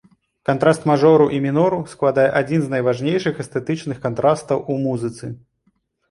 Кантраст мажору і мінору складае адзін з найважнейшых эстэтычных кантрастаў у музыцы.